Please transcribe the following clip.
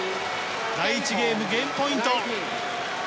第１ゲーム、ゲームポイント！